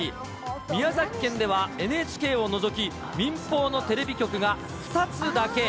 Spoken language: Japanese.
宮崎県ではＮＨＫを除き、民放のテレビ局が２つだけ。